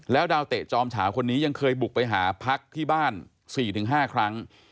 ดาวเตะจอมฉาคนนี้ยังเคยบุกไปหาพักที่บ้าน๔๕ครั้ง